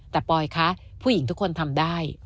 แต่ปอยคะผู้หญิงทุกคนทำได้